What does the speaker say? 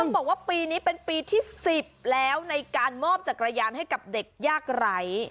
บอกว่าปีนี้เป็นปีที่๑๐แล้วในการมอบจักรยานให้กับเด็กยากไร้